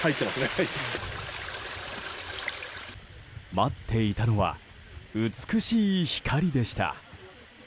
待っていたのは美しい光でした。